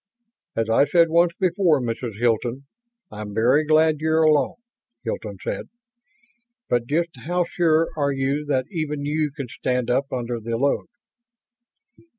"As I said once before, Mrs. Hilton, I'm very glad you're along," Hilton said. "But just how sure are you that even you can stand up under the load?"